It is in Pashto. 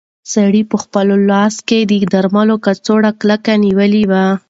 سړي په خپل لاس کې د درملو کڅوړه کلکه نیولې وه.